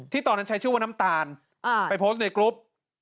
ตอนนั้นใช้ชื่อว่าน้ำตาลไปโพสต์ในกรุ๊ป